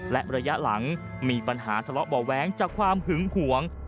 และระยะหลังมีปัญหาทะเลาะเบาะแว้งจากความหึงหวง